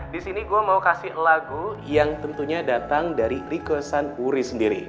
di sini gue mau kasih lagu yang tentunya datang dari riko san uri sendiri